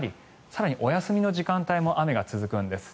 更に、お休みの時間帯も雨が続くんです。